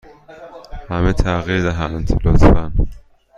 همه تغییر دهند، لطفا.